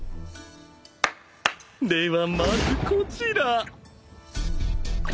ではまずこちら。